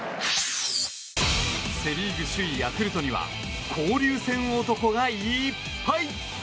セ・リーグ首位、ヤクルトには交流戦男がいっぱい。